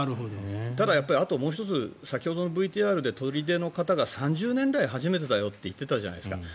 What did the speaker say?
ただ、あともう１つ先ほどのＶＴＲで取手の方が３０年来初めてだよって言ってたじゃないですか。